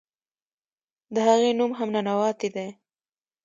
د هغې نوم هم "ننواتې" دے.